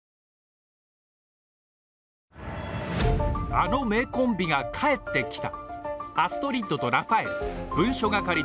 あの名コンビが帰ってきた！